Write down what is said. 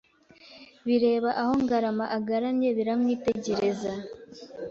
bireba aho Ngarama agaramye Biramwitegereza